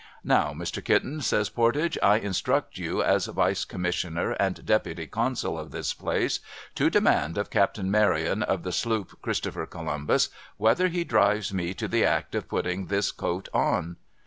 I ' Now, Mr. Kitten,' says Pordage, ' I instruct you, as Vice com missioner, and Deputy consul of this place, to demand of Captain Maryon, of the sloop Christopher Columbus, whether he drives me to the act of putting this coat on